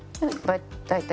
はい。